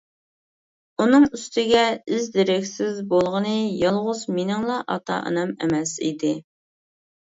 ئۇنىڭ ئۈستىگە ئىز- دېرەكسىز بولغىنى يالغۇز مېنىڭلا ئاتا- ئانام ئەمەس ئىدى.